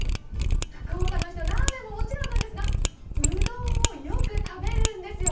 福岡の人、ラーメンももちろんですがうどんをよく食べるんですよ。